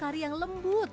kari yang lembut